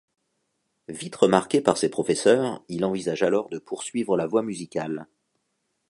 Vite remarqué par ses professeurs, il envisage alors de poursuivre la voie musicale.